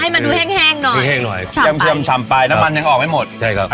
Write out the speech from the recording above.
ให้มันดูแห้งแห้งหน่อยแชมป์ไปแชมป์ไปน้ำมันยังออกให้หมดใช่ครับ